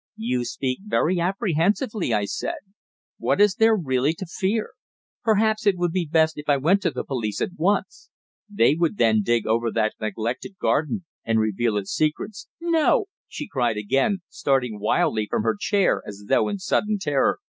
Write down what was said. "You speak very apprehensively," I said. "What is there really to fear? Perhaps it would be best if I went to the police at once. They would then dig over that neglected garden and reveal its secrets." "No!" she cried again, starting wildly from her chair as though in sudden terror.